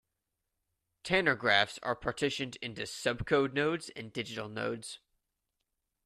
Tanner graphs are partitioned into subcode nodes and digit nodes.